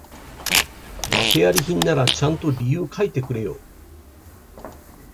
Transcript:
訳あり品ならちゃんと理由書いてくれよ